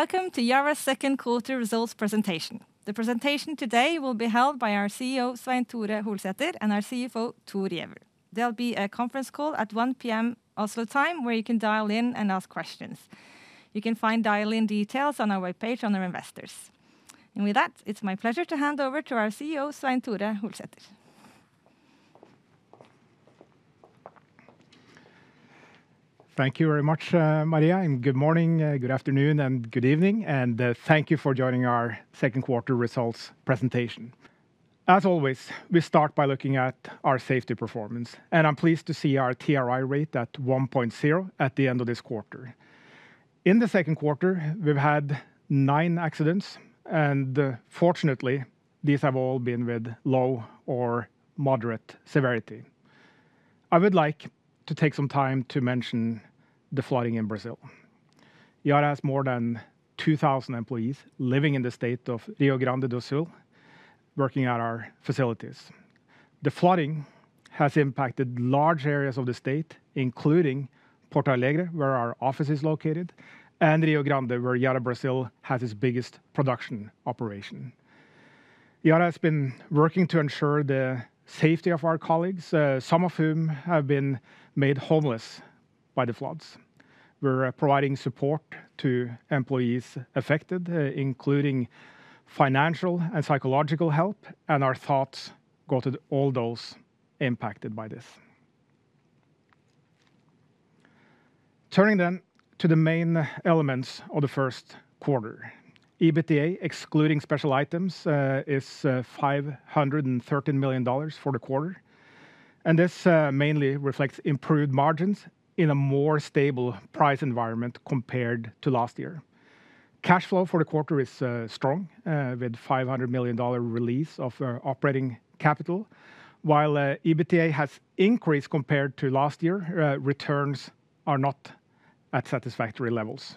Welcome to Yara's Second Quarter Results Presentation. The presentation today will be held by our CEO, Svein Tore Holsether, and our CFO, Thor Giæver. There'll be a conference call at 1:00 P.M. Oslo time, where you can dial in and ask questions. You can find dial-in details on our webpage under Investors. With that, it's my pleasure to hand over to our CEO, Svein Tore Holsether. Thank you very much, Maria, and good morning, good afternoon, and good evening, and thank you for joining our second quarter results presentation. As always, we start by looking at our safety performance, and I'm pleased to see our TRIR rate at 1.0 at the end of this quarter. In the second quarter, we've had nine accidents, and fortunately, these have all been with low or moderate severity. I would like to take some time to mention the flooding in Brazil. Yara has more than 2,000 employees living in the state of Rio Grande do Sul, working at our facilities. The flooding has impacted large areas of the state, including, Porto Alegre, where our office is located, and Rio Grande, where Yara Brazil has its biggest production operation. Yara has been working to ensure the safety of our colleagues, some of whom have been made homeless by the floods. We're providing support to employees affected, including financial and psychological help. Our thoughts go to all those impacted by this. Turning then to the main elements of the first quarter. EBITDA, excluding special items is $513 million for the quarter, and this mainly reflects improved margins in a more stable price environment compared to last year. Cash flow for the quarter is strong, with $500 million release of operating capital. While EBITDA has increased compared to last year, returns are not at satisfactory levels.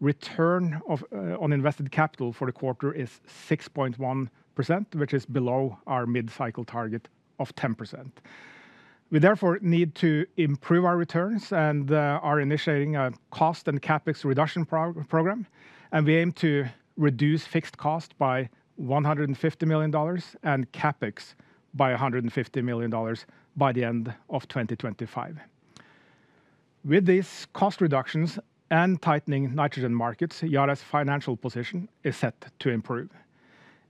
Return on invested capital for the quarter is 6.1%, which is below our mid-cycle target of 10%. We therefore need to improve our returns, and are initiating a cost and CapEx reduction program. We aim to reduce fixed cost by $150 million, and CapEx by $150 million by the end of 2025. With these cost reductions and tightening nitrogen markets, Yara's financial position is set to improve.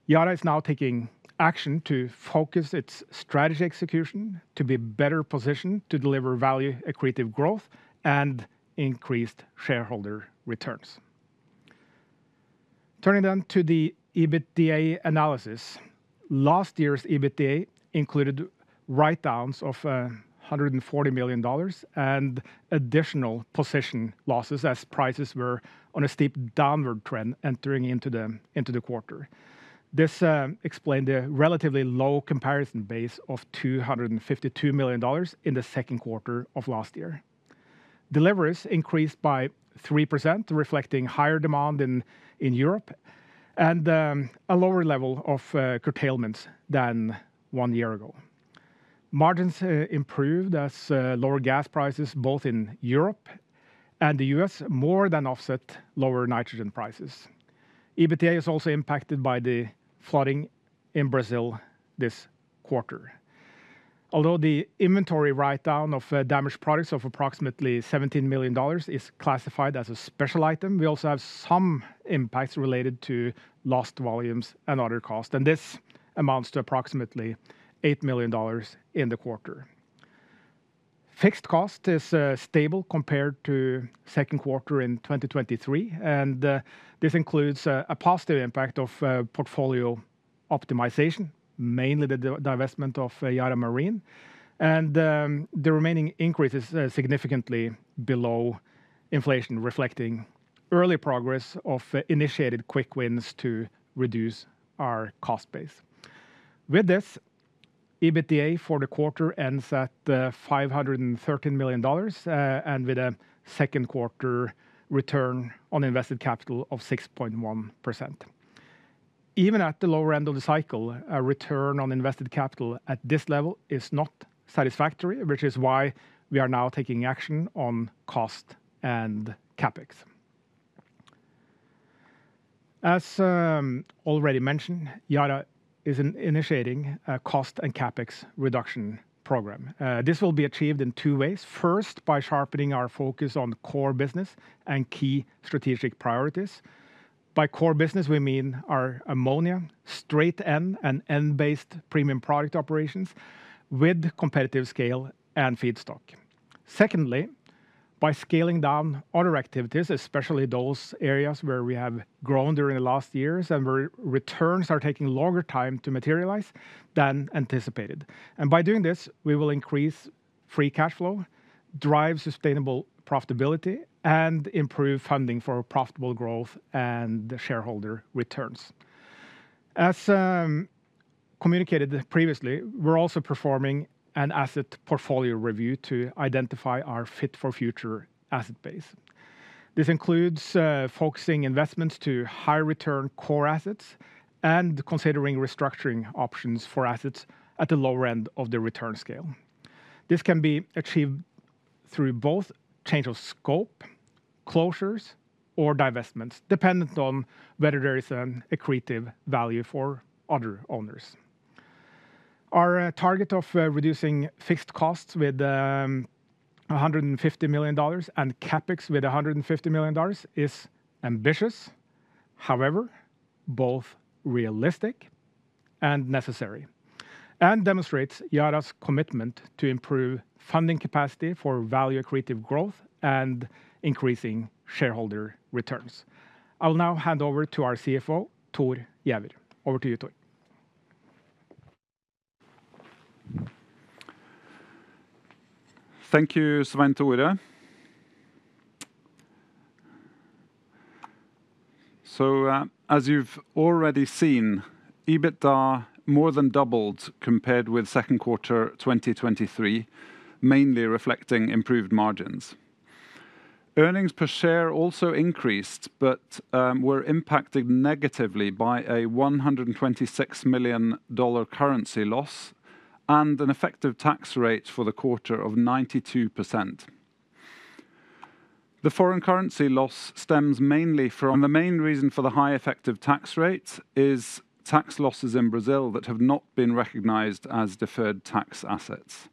Yara is now taking action to focus its strategy execution, to be better positioned to deliver value, accretive growth, and increased shareholder returns. Turning then to the EBITDA analysis. Last year's EBITDA included write-downs of $140 million, and additional position losses, as prices were on a steep downward trend entering into the quarter. This explained the relatively low comparison base of $252 million in the second quarter of last year. Deliveries increased by 3%, reflecting higher demand in Europe and a lower level of curtailments than one year ago. Margins improved as lower gas prices, both in Europe and the U.S., more than offset lower nitrogen prices. EBITDA is also impacted by the flooding in Brazil this quarter. Although the inventory write-down of damaged products of approximately $17 million is classified as a special item, we also have some impacts related to lost volumes and other costs, and this amounts to approximately $8 million in the quarter. Fixed cost is stable compared to second quarter in 2023, and this includes a positive impact of portfolio optimization, mainly the divestment of Yara Marine. The remaining increase is significantly below inflation, reflecting early progress of initiated quick wins to reduce our cost base. With this, EBITDA for the quarter ends at $513 million, and with a second-quarter return on invested capital of 6.1%. Even at the lower end of the cycle, a return on invested capital at this level is not satisfactory, which is why we are now taking action on cost and CapEx. As already mentioned, Yara is initiating a cost and CapEx reduction program. This will be achieved in two ways, first, by sharpening our focus on core business and key strategic priorities. By core business, we mean our ammonia, straight N, and N-based premium product operations with competitive scale and feedstock. Secondly, by scaling down other activities, especially those areas where we have grown during the last years, and where returns are taking longer time to materialize than anticipated. By doing this, we will increase free cash flow, drive sustainable profitability, and improve funding for profitable growth and the shareholder returns. As communicated previously, we're also performing an asset portfolio review to identify our fit-for-future asset base. This includes focusing investments to high-return core assets, and considering restructuring options for assets at the lower end of the return scale. This can be achieved through both change of scope, closures, or divestments, dependent on whether there is an accretive value for other owners. Our target of reducing fixed costs with $150 million and CapEx with $150 million is ambitious. However, both realistic and necessary, and demonstrates Yara's commitment to improve funding capacity for value-accretive growth and increasing shareholder returns. I will now hand over to our CFO, Thor Giæver. Over to you, Thor. Thank you, Svein Tore. As you've already seen, EBITDA more than doubled compared with second quarter 2023, mainly reflecting improved margins. Earnings per share also increased, but were impacted negatively by a $126 million currency loss and an effective tax rate for the quarter of 92%. The foreign currency loss stems mainly from, the main reason for the high effective tax rateS is tax losses in Brazil that have not been recognized as deferred tax assets.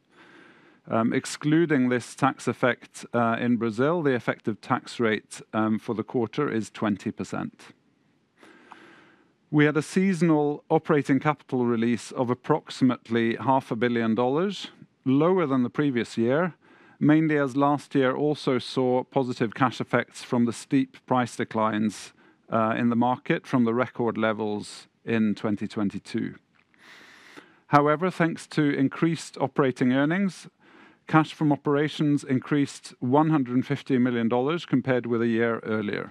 Excluding this tax effect, in Brazil, the effective tax rate for the quarter is 20%. We had a seasonal operating capital release of approximately $500 million, lower than the previous year, mainly as last year also saw positive cash effects from the steep price declines in the market from the record levels in 2022. However, thanks to increased operating earnings, cash from operations increased $150 million compared with a year earlier.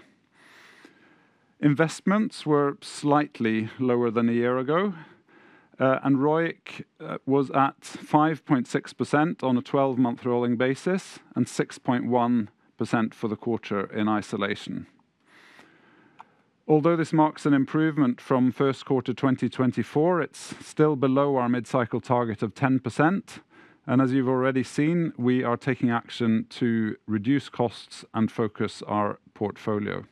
Investments were slightly lower than a year ago, and ROIC was at 5.6% on a 12 month rolling basis and 6.1% for the quarter in isolation. Although this marks an improvement from first quarter 2024, it's still below our mid-cycle target of 10%. As you've already seen, we are taking action to reduce costs and focus our portfolio.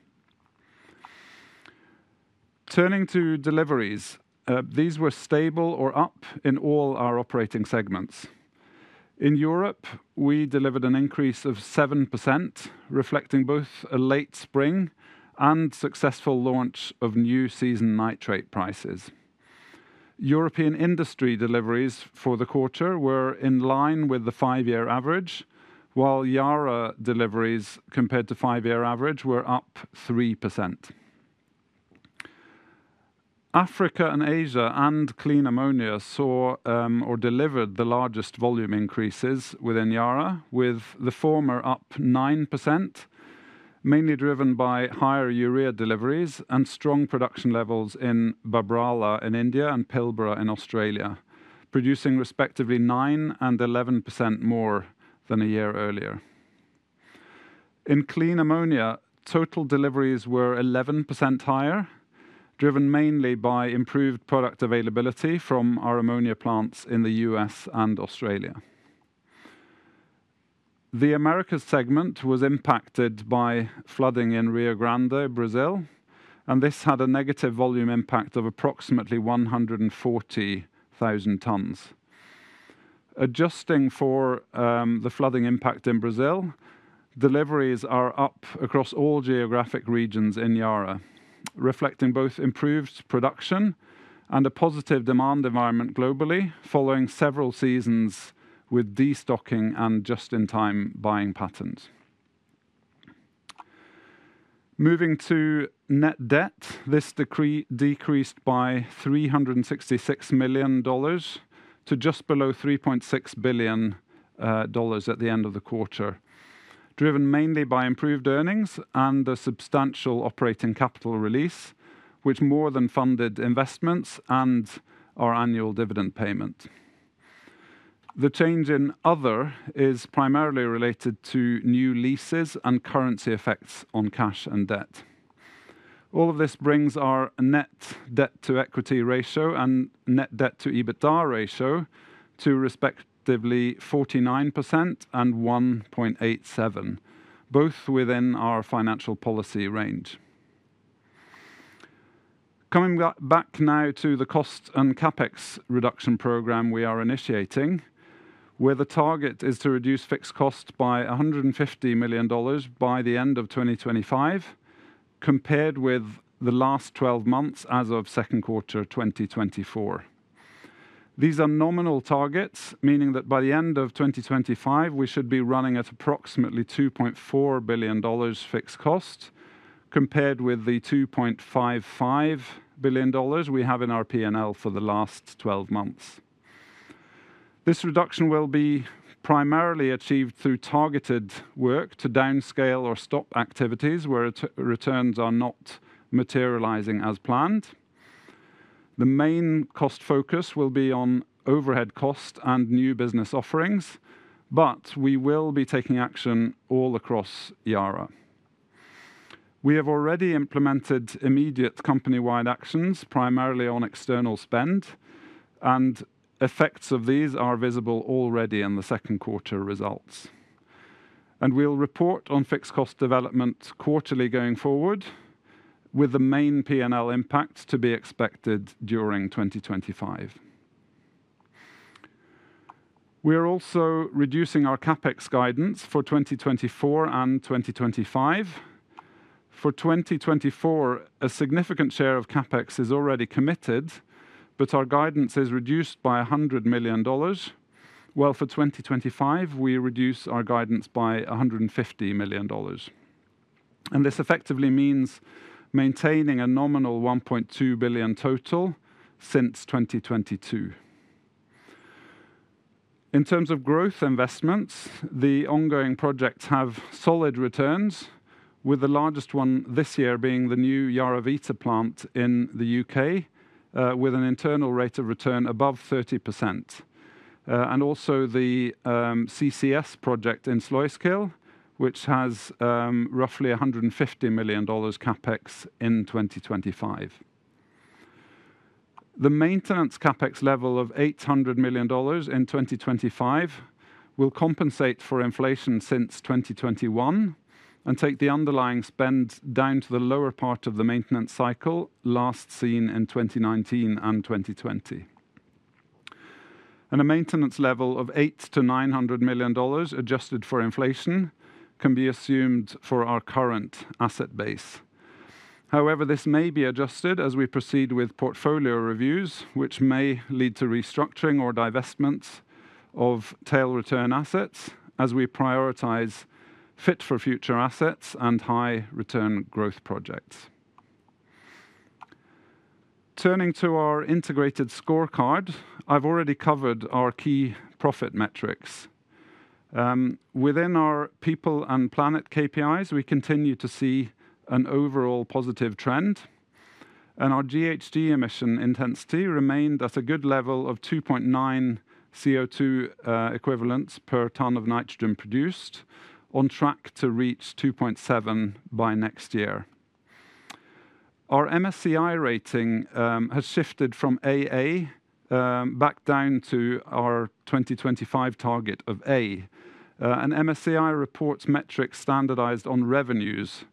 Turning to deliveries, these were stable or up in all our operating segments. In Europe, we delivered an increase of 7%, reflecting both a late spring and successful launch of new season nitrate prices. European industry deliveries for the quarter were in line with the five-year average, while Yara deliveries compared to five-year average were up 3%. Africa and Asia and Clean Ammonia saw or delivered the largest volume increases within Yara, with the former up 9%, mainly driven by higher urea deliveries and strong production levels in Babrala in India and Pilbara in Australia, producing respectively 9% and 11% more than a year earlier. In Clean Ammonia, total deliveries were 11% higher, driven mainly by improved product availability from our ammonia plants in the U.S. and Australia. The Americas segment was impacted by flooding in Rio Grande, Brazil, and this had a negative volume impact of approximately 140,000 t. Adjusting for the flooding impact in Brazil, deliveries are up across all geographic regions in Yara, reflecting both improved production and a positive demand environment globally, following several seasons with destocking and just-in-time buying patterns. Moving to net debt, this decreased by $366 million to just below $3.6 billion at the end of the quarter, driven mainly by improved earnings and a substantial operating capital release, which more than funded investments and our annual dividend payment. The change in other is primarily related to new leases, and currency effects on cash and debt. All of this brings our net debt-to-equity ratio and net debt to EBITDA ratio to respectively, 49% and 1.87, both within our financial policy range. Coming back now to the cost and CapEx reduction program we are initiating, where the target is to reduce fixed cost by $150 million by the end of 2025, compared with the last 12 months as of second quarter 2024. These are nominal targets, meaning that by the end of 2025, we should be running at approximately $2.4 billion fixed cost, compared with the $2.55 billion we have in our P&L for the last 12 months. This reduction will be primarily achieved through targeted work to downscale or stop activities, where returns are not materializing as planned. The main cost focus will be on overhead cost and new business offerings, but we will be taking action all across Yara. We have already implemented immediate company-wide actions, primarily on external spend and effects of these are visible already in the second quarter results. We'll report on fixed cost development quarterly going forward, with the main P&L impact to be expected during 2025. We are also reducing our CapEx guidance for 2024 and 2025. For 2024, a significant share of CapEx is already committed, but our guidance is reduced by $100 million, while for 2025, we reduce our guidance by $150 million. This effectively means maintaining a nominal $1.2 billion total since 2022. In terms of growth investments, the ongoing projects have solid returns, with the largest one this year being the new YaraVita plant in the U.K., with an internal rate of return above 30%. Also, the CCS project in Sluiskil, which has roughly $150 million CapEx in 2025. The maintenance CapEx level of $800 million in 2025 will compensate for inflation since 2021, and take the underlying spend down to the lower part of the maintenance cycle, last seen in 2019 and 2020. A maintenance level of $800-$900 million, adjusted for inflation can be assumed for our current asset base. However, this may be adjusted as we proceed with portfolio reviews, which may lead to restructuring or divestment of tail return assets, as we prioritize fit-for-future assets and high return growth projects. Turning to our integrated scorecard, I've already covered our key profit metrics. Within our people and planet KPIs, we continue to see an overall positive trend. Our GHG emission intensity remained at a good level of 2.9 CO2 equivalents per ton of nitrogen produced, on track to reach 2.7 by next year. Our MSCI rating has shifted from AA back down to our 2025 target of A. MSCI reports metrics standardized on revenues,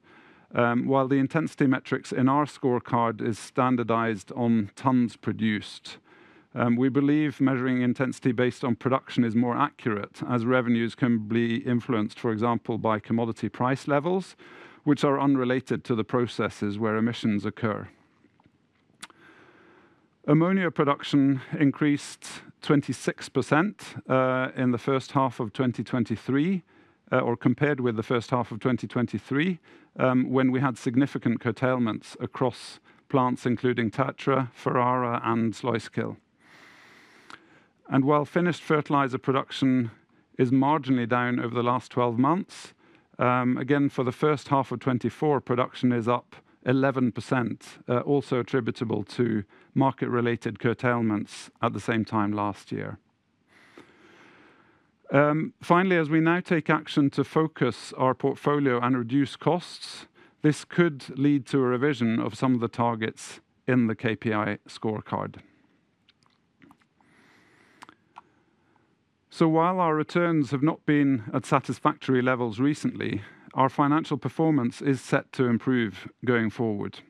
while the intensity metrics in our scorecard is standardized on tons produced. We believe measuring intensity based on production is more accurate, as revenues can be influenced, for example, by commodity price levels, which are unrelated to the processes where emissions occur. Ammonia production increased 26% in the first half of 2023 or compared with the first half of 2023, when we had significant curtailments across plants, including Tertre, Ferrara, and Sluiskil. While finished fertilizer production is marginally down over the last 12 months, agaiN for the first half of 2024, production is up 11%, also attributable to market-related curtailments at the same time last year. Finally, as we now take action to focus our portfolio and reduce costs, this could lead to a revision of some of the targets in the KPI scorecard. While our returns have not been at satisfactory levels recently, our financial performance is set to improve going forward.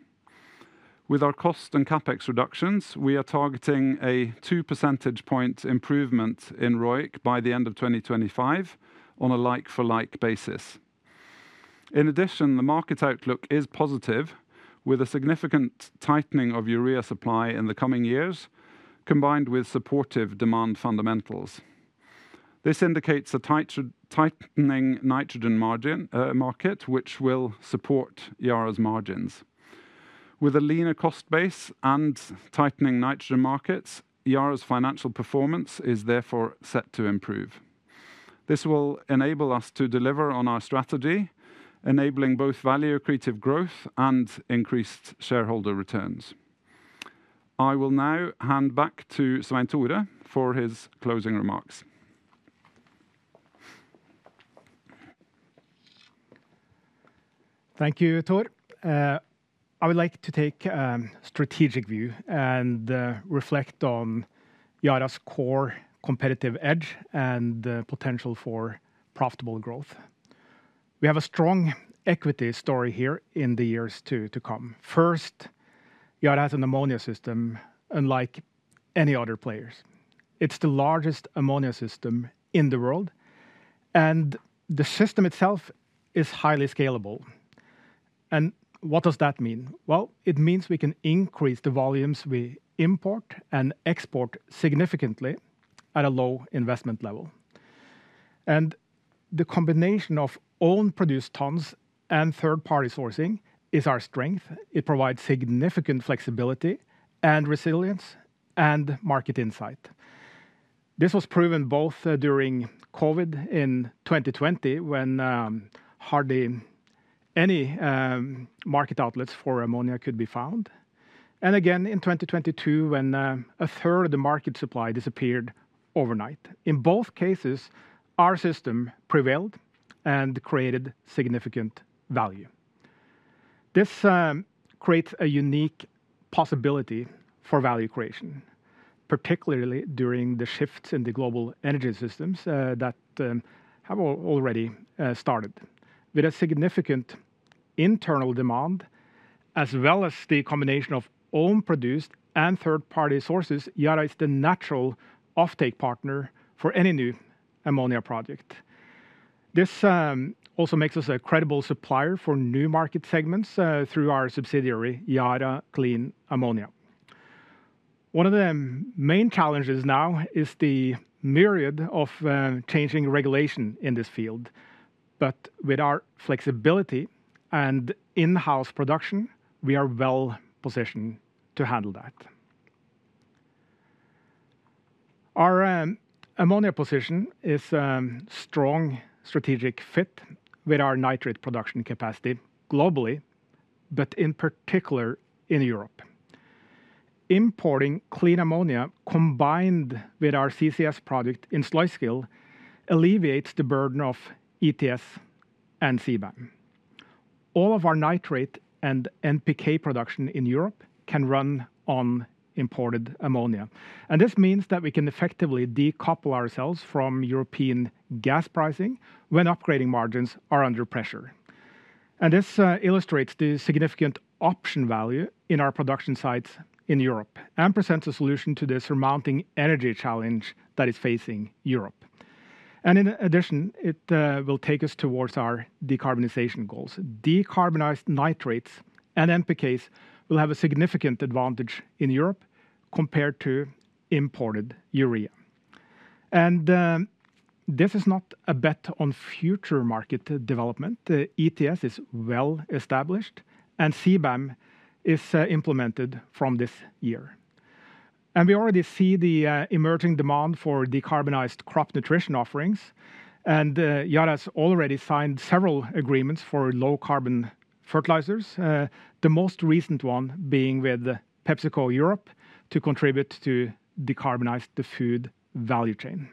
With our cost and CapEx reductions, we are targeting a two percentage point improvement in ROIC by the end of 2025 on a like-for-like basis. In addition, the market's outlook is positive, with a significant tightening of urea supply in the coming years, combined with supportive demand fundamentals. This indicates a tightening nitrogen market, which will support Yara's margins. With a leaner cost base and tightening nitrogen markets, Yara's financial performance is therefore set to improve. This will enable us to deliver on our strategy, enabling both value-accretive growth and increased shareholder returns. I will now hand back to Svein Tore for his closing remarks. Thank you, Thor. I would like to take a strategic view, and reflect on Yara's core competitive edge and the potential for profitable growth. We have a strong equity story here in the years to come. First, Yara has an ammonia system unlike any other players. It's the largest ammonia system in the world, and the system itself is highly scalable. What does that mean? Well, it means we can increase the volumes we import and export significantly at a low investment level. The combination of own-produced tons and third-party sourcing is our strength. It provides significant flexibility, and resilience and market insight. This was proven both during COVID in 2020, when hardly any market outlets for ammonia could be found. Again, in 2022, when a third of the market supply disappeared overnight. In both cases, our system prevailed and created significant value. This creates a unique possibility for value creation, particularly during the shifts in the global energy systems that have already started. With a significant internal demand, as well as the combination of own-produced and third-party sources, Yara is the natural offtake partner for any new ammonia project. This also makes us a credible supplier for new market segments through our subsidiary, Yara Clean Ammonia. One of the main challenges now is the myriad of changing regulations in this field, but with our flexibility and in-house production, we are well-positioned to handle that. Our ammonia position is a strong strategic fit with our nitrate production capacity globally, but in particular, in Europe. Importing clean ammonia, combined with our CCS project in Sluiskil alleviates the burden of ETS and CBAM. All of our nitrate and NPK production in Europe can run on imported ammonia. This means that we can effectively decouple ourselves from European gas pricing when upgrading margins are under pressure. This illustrates the significant option value in our production sites in Europe, and presents a solution to this surmounting energy challenge that is facing Europe. In addition, it will take us towards our decarbonization goals. Decarbonized nitrates and NPKs will have a significant advantage in Europe compared to imported urea. This is not a bet on future market development. The ETS is well established, and CBAM is implemented from this year. We already see the emerging demand for decarbonized crop nutrition offerings, and Yara's already signed several agreements for low-carbon fertilizers, the most recent one being with PepsiCo Europe, to contribute to decarbonize the food value chain.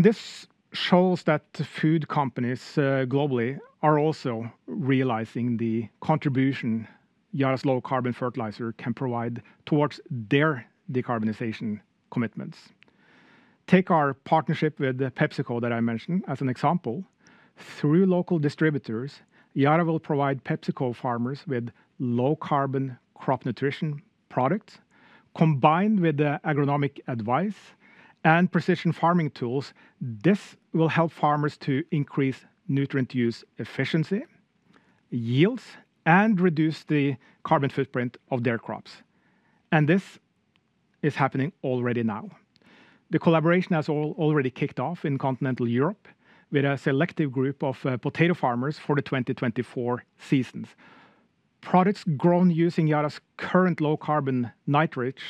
This shows that food companies globally are also realizing the contribution Yara's low-carbon fertilizer can provide towards their decarbonization commitments. Take our partnership with PepsiCo that I mentioned as an example. Through local distributors, Yara will provide PepsiCo farmers with low-carbon crop nutrition products. Combined with the agronomic advice and precision farming tools, this will help farmers to increase nutrient use efficiency, yields, and reduce the carbon footprint of their crops. This is happening already now. The collaboration has already kicked off in continental Europe, with a selective group of potato farmers for the 2024 seasons. Products grown using Yara's current low-carbon nitrates,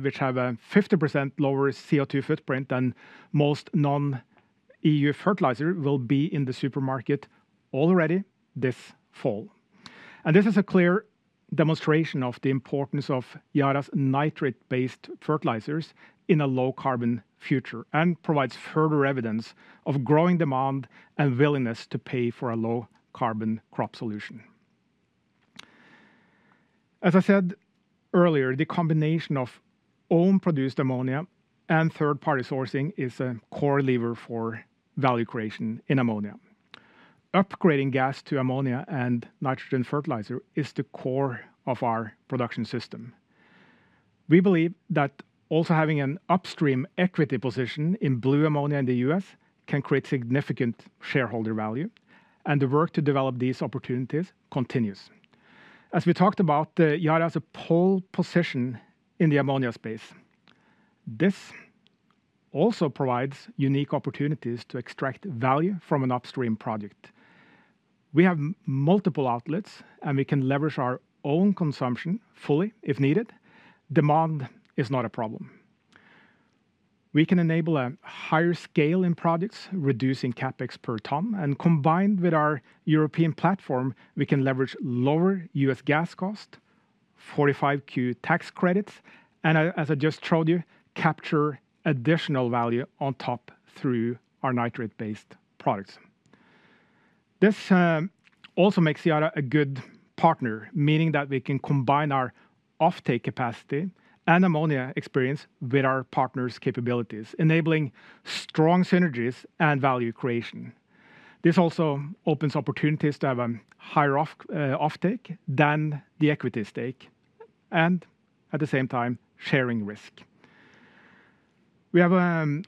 which have a 50% lower CO2 footprint than most non-EU fertilizer, will be in the supermarket already this fall. This is a clear demonstration of the importance of Yara's nitrate-based fertilizers in a low-carbon future, and provides further evidence of growing demand and willingness to pay for a low-carbon crop solution. As I said earlier, the combination of own-produced ammonia and third-party sourcing is a core lever for value creation in ammonia. Upgrading gas to ammonia and nitrogen fertilizer is the core of our production system. We believe that also having an upstream equity position in blue ammonia in the U.S. can create significant shareholder value, and the work to develop these opportunities continues. As we talked about, Yara has a pole position in the ammonia space. This also provides unique opportunities to extract value from an upstream project. We have multiple outlets, and we can leverage our own consumption fully if needed. Demand is not a problem. We can enable a higher scale in projects, reducing CapEx per ton and combined with our European platform, we can leverage lower U.S. gas cost, 45Q tax credits and as I just showed you, capture additional value on top through our nitrate-based products. This also makes Yara a good partner, meaning that we can combine our offtake capacity and ammonia experience with our partner's capabilities, enabling strong synergies and value creation. This also opens opportunities to have a higher offtake than the equity stake, and at the same time, sharing risk. We have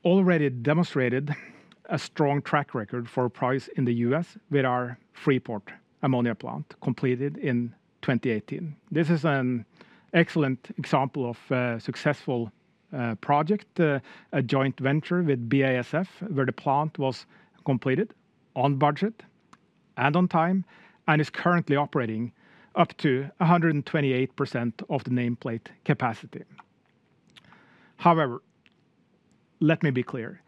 already demonstrated a strong track record for price in the U.S. with our Freeport ammonia plant completed in 2018. This is an excellent example of a successful project, a joint venture with BASF, where the plant was completed on budget and on time, and is currently operating up to 128% of the nameplate capacity. However, let me be clear,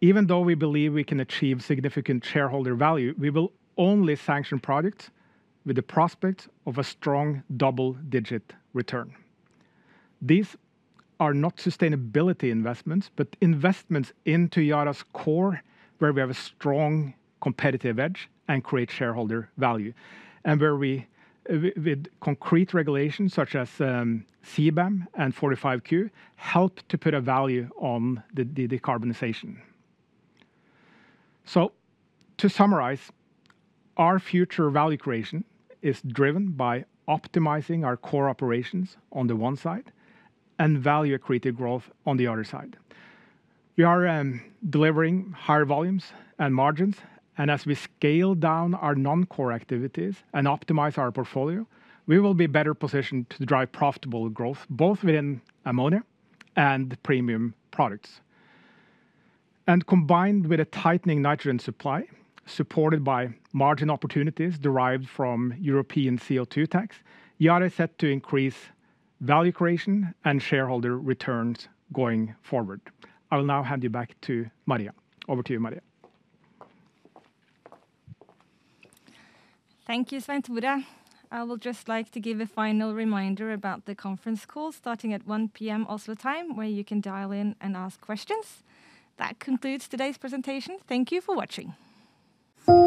even though we believe we can achieve significant shareholder value, we will only sanction products with the prospect of a strong double-digit return. These are not sustainability investments, but investments into Yara's core, where we have a strong competitive edge and create shareholder value. Where we, with concrete regulations such as CBAM and 45Q, help to put a value on the decarbonization. To summarize, our future value creation is driven by optimizing our core operations on the one side, and value created growth on the other side. We are delivering higher volumes and margins. As we scale down our non-core activities and optimize our portfolio, we will be better positioned to drive profitable growth, both within ammonia and premium products. Combined with a tightening nitrogen supply, supported by margin opportunities derived from European CO2 tax, Yara is set to increase value creation and shareholder returns going forward. I will now hand you back to Maria. Over to you, Maria. Thank you, Svein Tore. I will just like to give a final reminder about the conference call starting at 1:00 P.M. Oslo time, where you can dial in and ask questions. That concludes today's presentation. Thank you for watching.